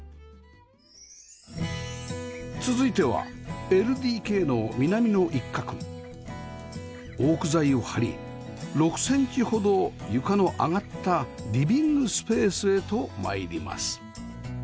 続いては ＬＤＫ の南の一角オーク材を張り６センチほど床の上がったリビングスペースへと参ります